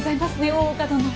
大岡殿。